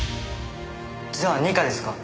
じゃあ二課ですか？